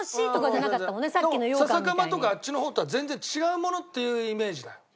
笹かまとかあっちの方とは全然違うものっていうイメージだよ。